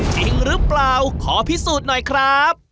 จริงหรือเปล่าขอพิสูจน์หน่อยครับ